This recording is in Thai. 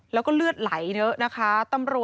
แล้วก็เลือดไหลเยอะนะคะ